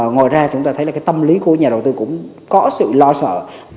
ngoài ra chúng ta thấy là cái tâm lý của nhà đầu tư cũng có sự lo sợ